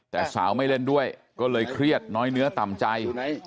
แต่สาวไม่เล่นด้วยก็เลยเครียดน้อยเนื้อต่ำใจ